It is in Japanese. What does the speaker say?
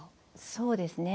そうですね。